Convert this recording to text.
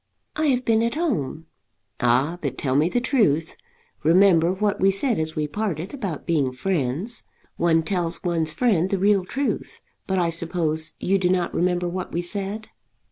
"I have been at home." "Ah; but tell me the truth. Remember what we said as we parted, about being friends. One tells one's friend the real truth. But I suppose you do not remember what we said?"